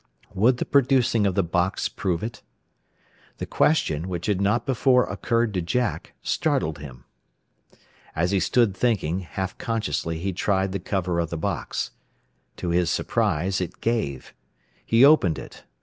Would the producing of the box prove it? The question, which had not before occurred to Jack, startled him. As he stood thinking, half consciously he tried the cover of the box. To his surprise it gave. He opened it.